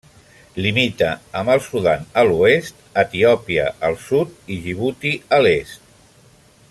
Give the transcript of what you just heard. Limita amb el Sudan a l'oest, Etiòpia al sud i Djibouti a l'est.